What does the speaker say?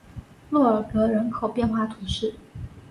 洛尔格人口变化图示